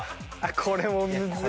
これもむずい。